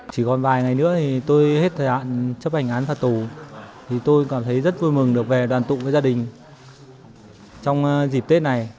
chỉ còn vài ngày nữa thì tôi hết thời hạn chấp hành án phạt tù thì tôi cảm thấy rất vui mừng được về đoàn tụ với gia đình trong dịp tết này